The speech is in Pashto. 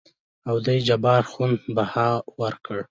او دې جبار خون بها ورکړه.